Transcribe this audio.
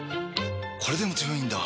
これでも強いんだ！